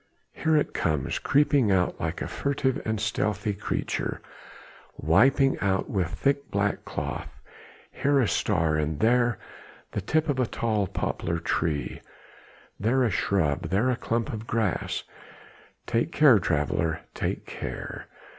Here it comes creeping like a furtive and stealthy creature wiping out with thick black cloth here a star and there the tip of a tall poplar tree, there a shrub, there a clump of grass! Take care, traveller, take care!